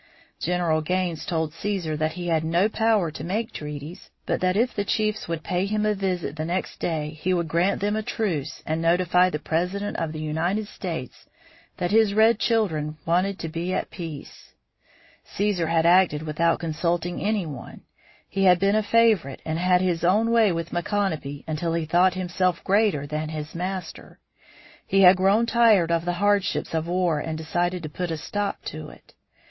General Gaines told Cæsar that he had no power to make treaties, but that if the chiefs would pay him a visit the next day, he would grant them a truce and notify the President of the United States that his red children wanted to be at peace. [Illustration: CÆSAR AND GENERAL GAINES] Cæsar had acted without consulting any one; he had been a favorite and had his own way with Micanopy until he thought himself greater than his master. He had grown tired of the hardships of war and decided to put a stop to it.